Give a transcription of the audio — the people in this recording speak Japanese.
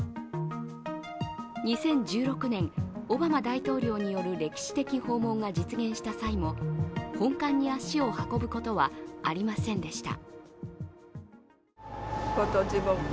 ２０１６年、オバマ大統領による歴史的訪問が実現した際も本館に足を運ぶことはありませんでした。